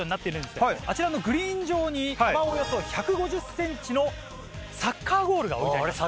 あちらのグリーン上に幅およそ１５０ｃｍのサッカーゴールが置いてあります。